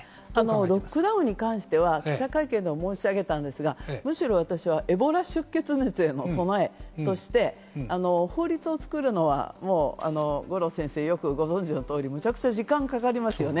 ロックダウンに関しては記者会見でも申し上げましたが、エボラ出血熱への備えとして、法律を作るのは五郎先生、よくご存知の通り、むちゃくちゃ時間がかかりますね。